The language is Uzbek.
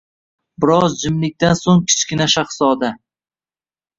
Biroz jimlikdan so‘ng Kichkina shahzoda: